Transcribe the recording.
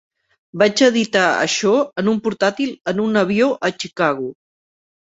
Vaig editar això en un portàtil en un avió a Chicago.